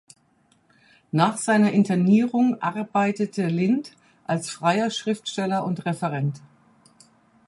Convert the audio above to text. Nach seiner Internierung arbeitete Lind als freier Schriftsteller und Referent.